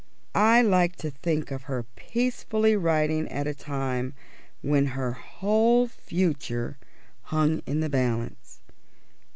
I like to think of her peacefully writing at a time when her whole future hung in the balance.